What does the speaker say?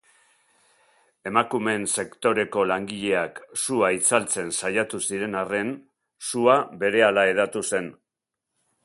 Emakumeen sektoreko langileak sua itzaltzen saiatu ziren arren, sua berehala hedatu zen.